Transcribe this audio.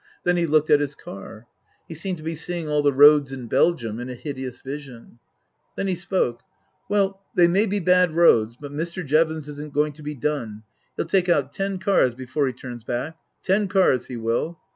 Then he looked at his car. He seemed to be seeing all the roads in Belgium in a hideous vision. Then he spoke. " Well, they may be bad roads, but Mr. Jevons isn't going to be done. He'll take out ten cars before 'e turns back. Ten cars, he will."